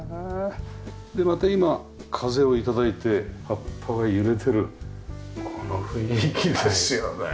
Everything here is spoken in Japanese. でまた今風を頂いて葉っぱが揺れているこの雰囲気ですよね。